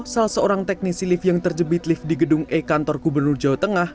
salah seorang teknisi lift yang terjebit lift di gedung e kantor gubernur jawa tengah